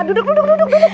duduk duduk duduk